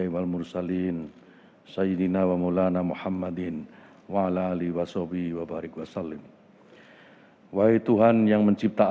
doa bersama dipimpin oleh menteri agama republik indonesia